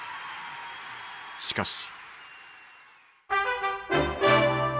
しかし。